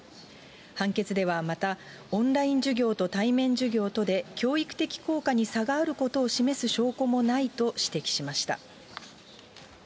判決ではまた、オンライン授業と対面授業とで教育的効果に差があることを示す証拠もないと指摘しました。